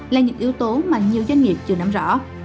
là những yếu tố mà nhiều doanh nghiệp chưa nắm rõ